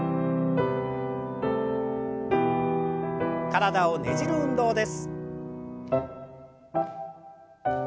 体をねじる運動です。